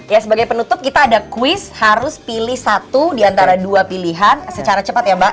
ya sebagai penutup kita ada quiz harus pilih satu diantara dua pilihan secara cepat ya mbak